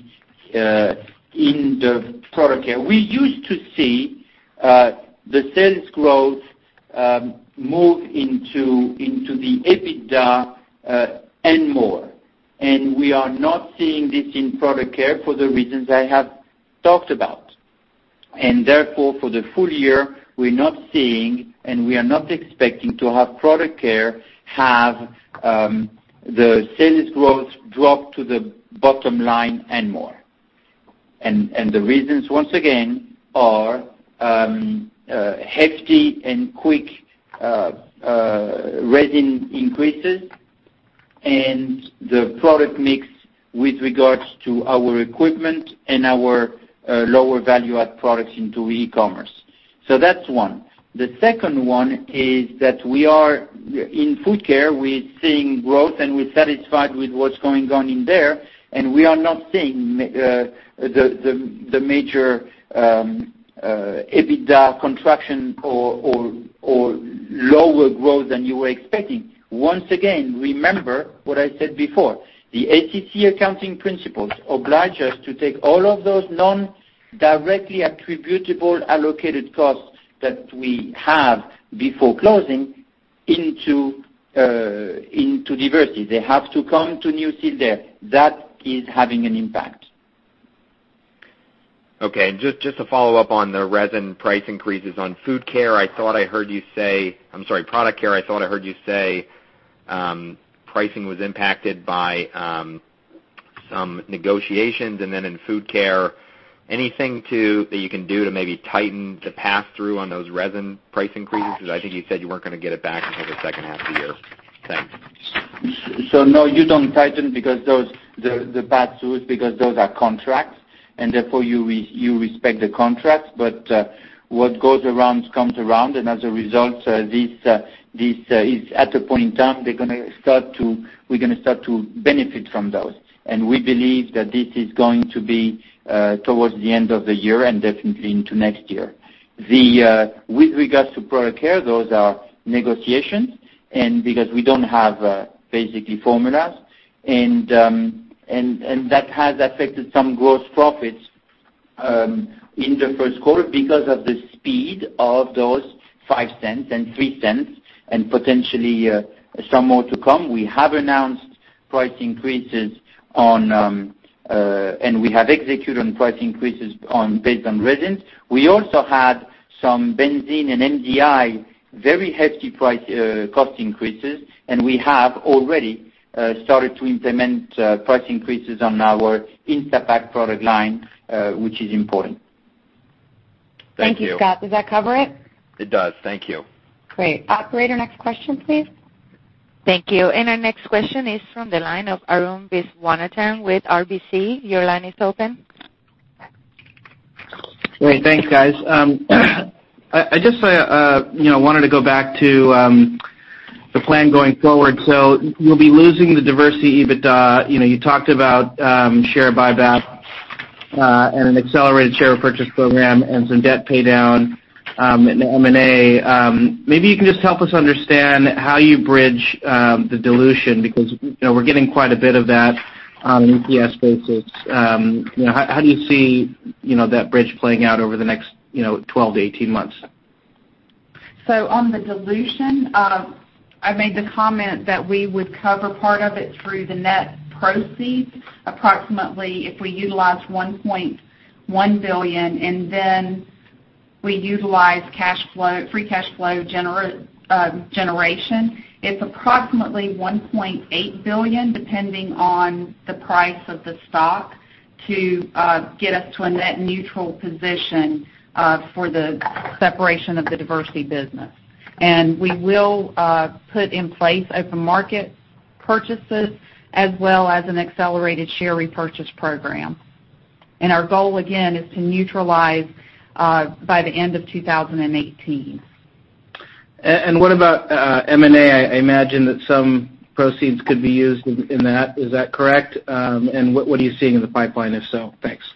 [SPEAKER 3] in the Product Care. We used to see the sales growth move into the EBITDA and more, and we are not seeing this in Product Care for the reasons I have talked about. For the full year, we're not seeing, and we are not expecting to have Product Care have the sales growth drop to the bottom line and more. The reasons, once again, are hefty and quick resin increases and the product mix with regards to our equipment and our lower value-add products into e-commerce. That's one. The second one is that we are in Food Care. We're seeing growth, and we're satisfied with what's going on in there, and we are not seeing the major EBITDA contraction or lower growth than you were expecting. Once again, remember what I said before. The SEC accounting principles oblige us to take all of those non-directly attributable allocated costs that we have before closing into Diversey. They have to come to New Sealed Air. That is having an impact.
[SPEAKER 8] Just to follow up on the resin price increases on Food Care, I thought I heard you say I'm sorry, Product Care. I thought I heard you say pricing was impacted by some negotiations. In Food Care, anything that you can do to maybe tighten the pass-through on those resin price increases? I think you said you weren't going to get it back until the second half of the year. Thanks.
[SPEAKER 3] No, you don't tighten the pass-throughs because those are contracts, and therefore, you respect the contracts. What goes around comes around, and as a result, this is at a point in time, we're going to start to benefit from those. We believe that this is going to be towards the end of the year and definitely into next year. With regards to Product Care, those are negotiations, and because we don't have basically formulas, and that has affected some gross profits in the first quarter because of the speed of those $0.05 and $0.03 and potentially some more to come. We have announced price increases, and we have executed on price increases based on resins. We also had some benzene and MDI, very hefty price cost increases, and we have already started to implement price increases on our Instapak product line, which is important.
[SPEAKER 8] Thank you.
[SPEAKER 4] Thank you, Scott. Does that cover it?
[SPEAKER 8] It does. Thank you.
[SPEAKER 4] Great. Operator, next question, please.
[SPEAKER 1] Thank you. Our next question is from the line of Arun Viswanathan with RBC. Your line is open.
[SPEAKER 9] Great. Thanks, guys. I just wanted to go back to the plan going forward. You'll be losing the Diversey EBITDA. You talked about share buyback and an accelerated share repurchase program and some debt paydown in the M&A. Maybe you can just help us understand how you bridge the dilution, because we're getting quite a bit of that on an EPS basis. How do you see that bridge playing out over the next 12-18 months?
[SPEAKER 4] On the dilution, I made the comment that we would cover part of it through the net proceeds. Approximately, if we utilize $1.1 billion, then we utilize free cash flow generation, it's approximately $1.8 billion, depending on the price of the stock, to get us to a net neutral position for the separation of the Diversey business. We will put in place open market purchases as well as an accelerated share repurchase program. Our goal, again, is to neutralize by the end of 2018.
[SPEAKER 9] What about M&A? I imagine that some proceeds could be used in that. Is that correct? What are you seeing in the pipeline, if so? Thanks.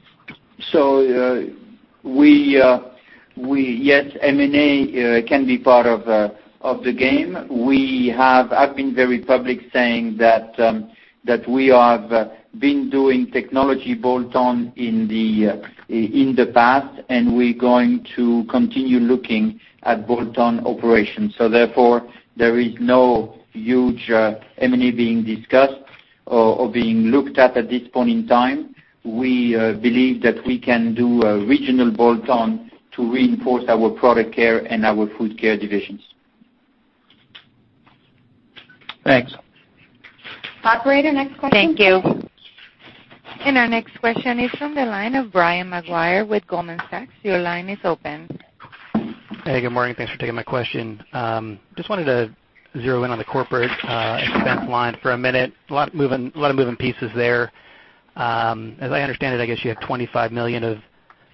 [SPEAKER 3] Yes, M&A can be part of the game. I've been very public saying that we have been doing technology bolt-on in the past. We're going to continue looking at bolt-on operations. Therefore, there is no huge M&A being discussed or being looked at at this point in time. We believe that we can do a regional bolt-on to reinforce our Product Care and our Food Care divisions.
[SPEAKER 9] Thanks.
[SPEAKER 4] Operator, next question.
[SPEAKER 1] Thank you. Our next question is from the line of Brian Maguire with Goldman Sachs. Your line is open.
[SPEAKER 10] Good morning. Thanks for taking my question. Just wanted to zero in on the corporate expense line for a minute. A lot of moving pieces there. As I understand it, I guess you have $25 million of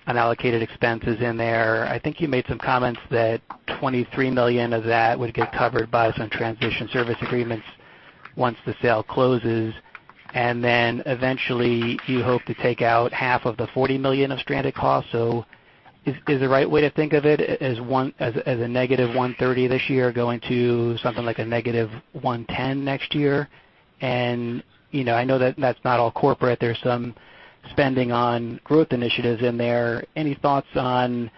[SPEAKER 10] unallocated expenses in there. I think you made some comments that $23 million of that would get covered by some transition service agreements once the sale closes, then eventually you hope to take out half of the $40 million of stranded costs. Is the right way to think of it as a negative $130 million this year going to something like a negative $110 million next year? I know that that's not all corporate. There's some spending on growth initiatives in there. Any thoughts on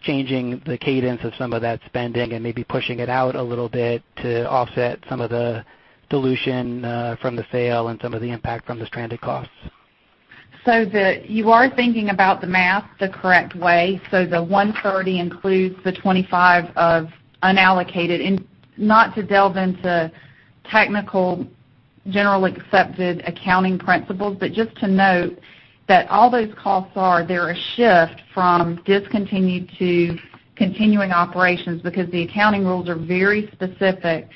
[SPEAKER 10] changing the cadence of some of that spending and maybe pushing it out a little bit to offset some of the dilution from the sale and some of the impact from the stranded costs?
[SPEAKER 4] You are thinking about the math the correct way. The $130 million includes the $25 million of unallocated. Not to delve into technical generally accepted accounting principles, but just to note that all those costs are, they're a shift from discontinued to continuing operations because the accounting rules are very specific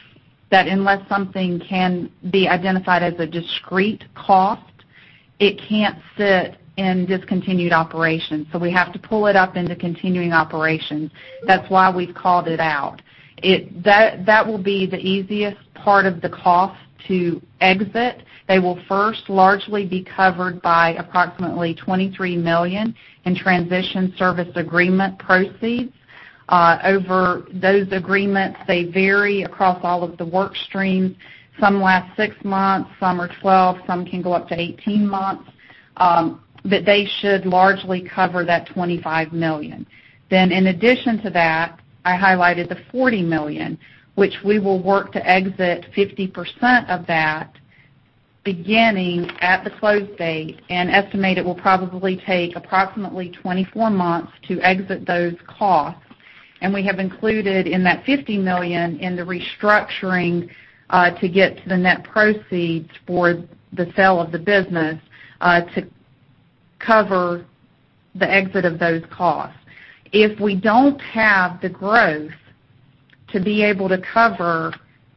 [SPEAKER 4] that unless something can be identified as a discrete cost, it can't sit in discontinued operations. We have to pull it up into continuing operations. That's why we've called it out. That will be the easiest part of the cost to exit. They will first largely be covered by approximately $23 million in transition service agreement proceeds. Over those agreements, they vary across all of the work stream. Some last six months, some are 12, some can go up to 18 months. They should largely cover that $25 million. In addition to that, I highlighted the $40 million, which we will work to exit 50% of that beginning at the close date and estimate it will probably take approximately 24 months to exit those costs. We have included in that $50 million in the restructuring, to get to the net proceeds for the sale of the business, to cover the exit of those costs. If we don't have the growth to be able to cover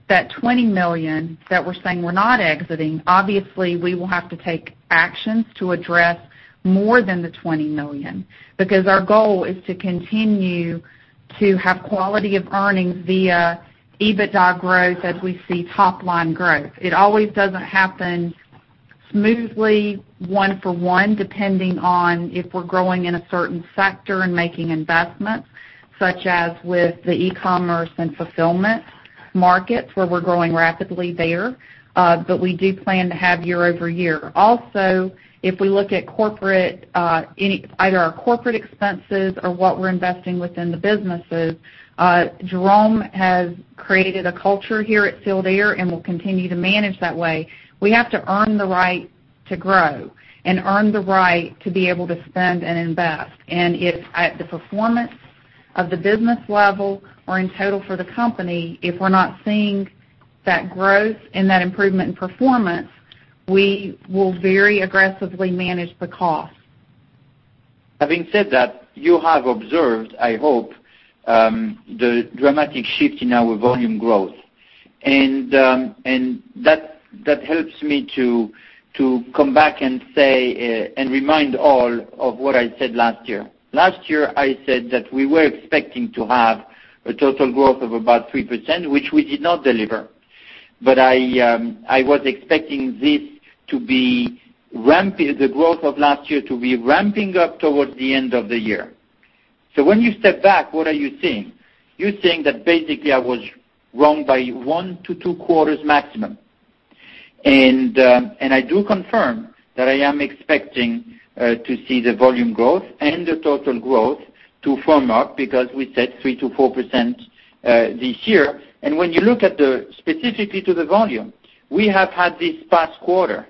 [SPEAKER 4] that $20 million that we're saying we're not exiting, obviously, we will have to take actions to address more than the $20 million, because our goal is to continue to have quality of earnings via EBITDA growth as we see top-line growth. It always doesn't happen smoothly, one for one, depending on if we're growing in a certain sector and making investments, such as with the e-commerce and fulfillment markets, where we're growing rapidly there. We do plan to have year-over-year. Also, if we look at either our corporate expenses or what we're investing within the businesses, Jerome has created a culture here at Sealed Air and will continue to manage that way. We have to earn the right to grow and earn the right to be able to spend and invest. If at the performance of the business level or in total for the company, if we're not seeing that growth and that improvement in performance, we will very aggressively manage the cost.
[SPEAKER 3] Having said that, you have observed, I hope, the dramatic shift in our volume growth. That helps me to come back and remind all of what I said last year. Last year, I said that we were expecting to have a total growth of about 3%, which we did not deliver. I was expecting the growth of last year to be ramping up towards the end of the year. When you step back, what are you seeing? You're seeing that basically, I was wrong by one to two quarters maximum. I do confirm that I am expecting to see the volume growth and the total growth to firm up because we said 3%-4% this year. When you look specifically to the volume, we have had this past quarter,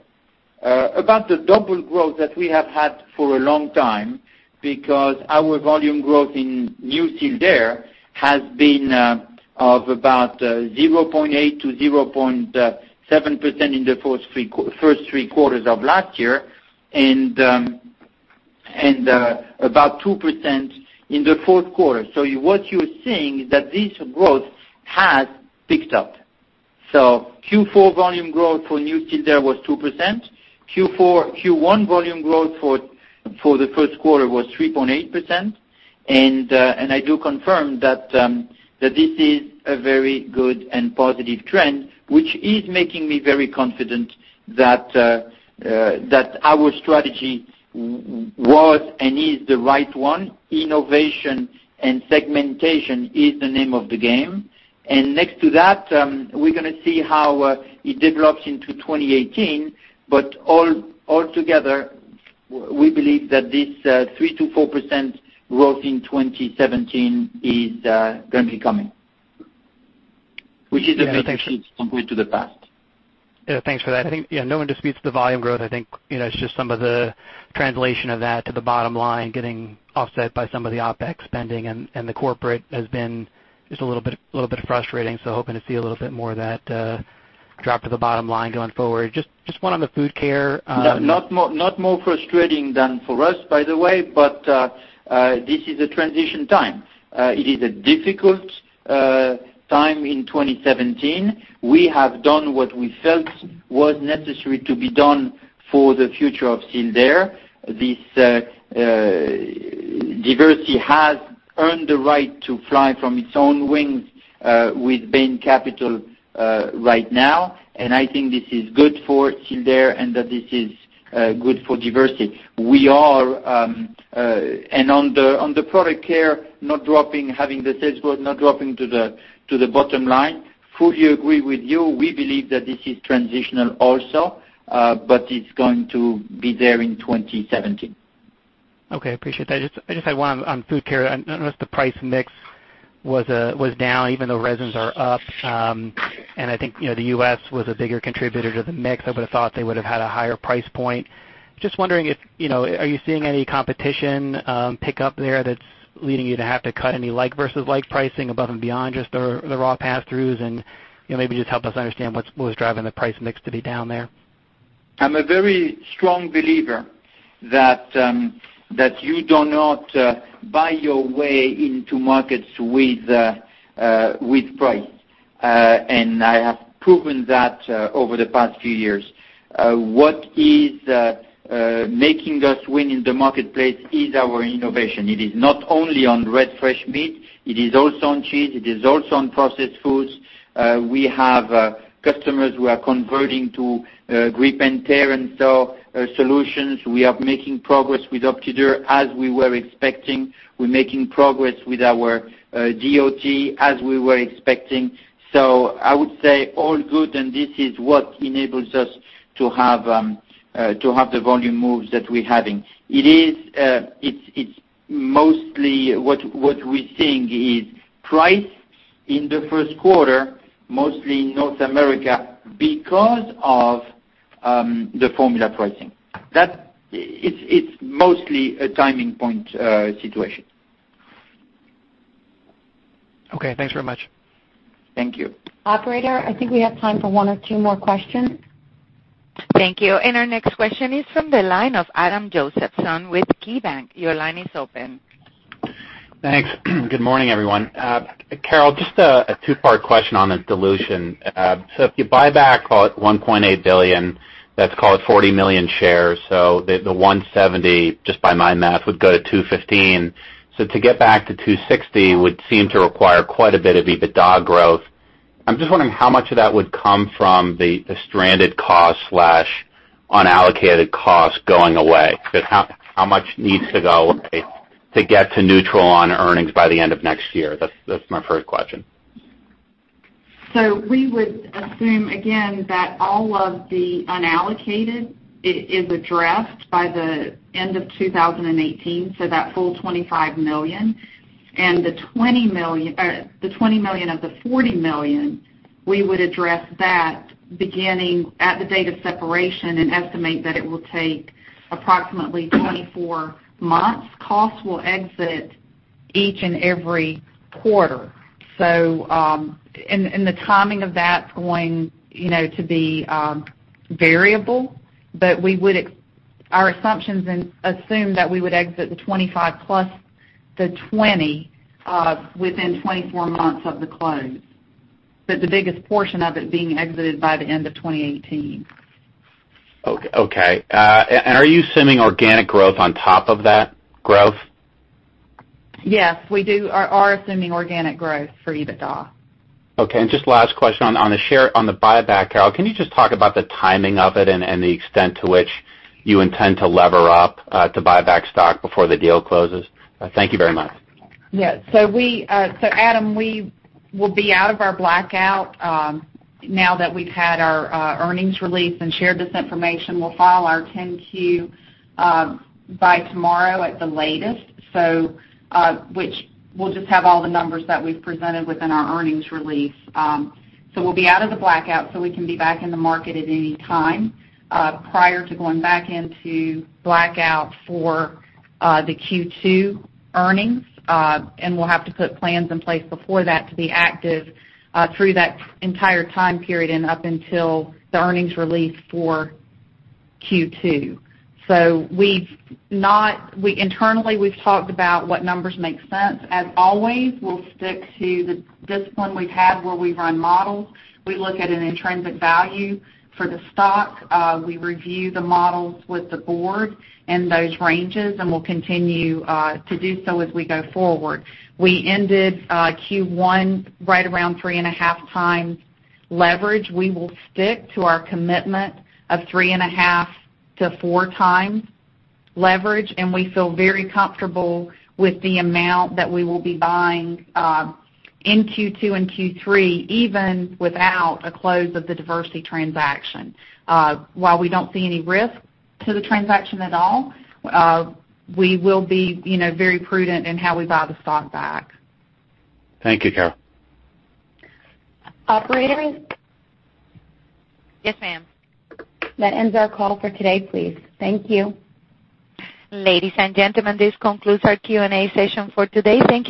[SPEAKER 3] about the double growth that we have had for a long time, because our volume growth in New Sealed Air has been of about 0.8%-0.7% in the first three quarters of last year and about 2% in the fourth quarter. What you're seeing is that this growth has picked up. Q4 volume growth for New Sealed Air was 2%. Q1 volume growth for the first quarter was 3.8%. I do confirm that this is a very good and positive trend, which is making me very confident that our strategy was and is the right one. Innovation and segmentation is the name of the game. Next to that, we're going to see how it develops into 2018, but altogether, we believe that this 3%-4% growth in 2017 is going to be coming, which is a big shift from going to the past.
[SPEAKER 10] Yeah, thanks for that. I think no one disputes the volume growth. I think it's just some of the translation of that to the bottom line getting offset by some of the OpEx spending and the corporate has been just a little bit frustrating. Hoping to see a little bit more of that drop to the bottom line going forward. Just one on the Food Care-
[SPEAKER 3] Not more frustrating than for us, by the way. This is a transition time. It is a difficult time in 2017. We have done what we felt was necessary to be done for the future of Sealed Air. Diversey has earned the right to fly from its own wings with Bain Capital right now. I think this is good for Sealed Air and that this is good for Diversey. On the Product Care not dropping, having the sales growth not dropping to the bottom line, fully agree with you. We believe that this is transitional also. It's going to be there in 2017.
[SPEAKER 10] Okay, appreciate that. I just had one on Food Care. I noticed the price mix was down even though resins are up. I think the U.S. was a bigger contributor to the mix. I would've thought they would've had a higher price point. Just wondering, are you seeing any competition pick up there that's leading you to have to cut any like versus like pricing above and beyond just the raw pass-throughs? Maybe just help us understand what was driving the price mix to be down there.
[SPEAKER 3] I'm a very strong believer that you do not buy your way into markets with price. I have proven that over the past few years. What is making us win in the marketplace is our innovation. It is not only on red fresh meat, it is also on cheese, it is also on processed foods. We have customers who are converting to Grip & Tear and shelf-life solutions. We are making progress with OptiDure as we were expecting. We're making progress with our DOT as we were expecting. I would say all good. This is what enables us to have the volume moves that we're having. It's mostly what we're seeing is price in the first quarter, mostly North America, because of the formula pricing. That it's mostly a timing point situation.
[SPEAKER 10] Okay, thanks very much.
[SPEAKER 3] Thank you.
[SPEAKER 4] Operator, I think we have time for one or two more questions.
[SPEAKER 1] Thank you. Our next question is from the line of Adam Josephson with KeyBanc. Your line is open.
[SPEAKER 11] Thanks. Good morning, everyone. Carol, just a two-part question on the dilution. If you buy back, call it $1.8 billion, let's call it 40 million shares. The 170, just by my math, would go to 215. To get back to 260 would seem to require quite a bit of EBITDA growth. I'm just wondering how much of that would come from the stranded cost/unallocated cost going away, because how much needs to go away to get to neutral on earnings by the end of next year? That's my first question.
[SPEAKER 4] We would assume again that all of the unallocated is addressed by the end of 2018, so that full 25 million. The 20 million of the 40 million, we would address that beginning at the date of separation and estimate that it will take approximately 24 months. Costs will exit each and every quarter. The timing of that's going to be variable, but our assumptions assume that we would exit the 25 plus the 20 within 24 months of the close. The biggest portion of it being exited by the end of 2018.
[SPEAKER 11] Okay. Are you assuming organic growth on top of that growth?
[SPEAKER 4] Yes, we do. Are assuming organic growth for EBITDA.
[SPEAKER 11] Okay, just last question on the buyback, Carol. Can you just talk about the timing of it and the extent to which you intend to lever up to buy back stock before the deal closes? Thank you very much.
[SPEAKER 4] Yeah. Adam, we will be out of our blackout now that we've had our earnings release and shared this information. We'll file our 10-Q by tomorrow at the latest, which we'll just have all the numbers that we've presented within our earnings release. We'll be out of the blackout so we can be back in the market at any time prior to going back into blackout for the Q2 earnings. We'll have to put plans in place before that to be active through that entire time period and up until the earnings release for Q2. Internally, we've talked about what numbers make sense. As always, we'll stick to the discipline we've had where we run models. We look at an intrinsic value for the stock. We review the models with the board and those ranges, and we'll continue to do so as we go forward. We ended Q1 right around 3.5 times leverage. We will stick to our commitment of 3.5 to 4 times leverage, and we feel very comfortable with the amount that we will be buying in Q2 and Q3, even without a close of the Diversey transaction. While we don't see any risk to the transaction at all, we will be very prudent in how we buy the stock back.
[SPEAKER 11] Thank you, Carol.
[SPEAKER 4] Operator?
[SPEAKER 1] Yes, ma'am.
[SPEAKER 4] That ends our call for today, please. Thank you.
[SPEAKER 1] Ladies and gentlemen, this concludes our Q&A session for today. Thank you.